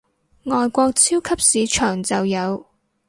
外國超級市場就有